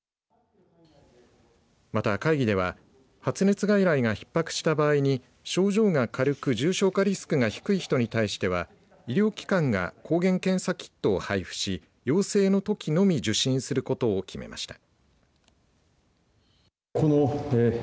また、会議では発熱外来が、ひっ迫した場合に症状が軽く重症化リスクが低い人に対しては医療機関が抗原検査キットを配布し陽性のときのみ受診することを決めました。